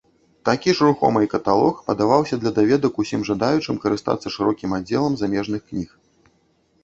Такі ж рухомай каталог падаваўся для даведак усім жадаючым карыстацца шырокім аддзелам замежных кніг.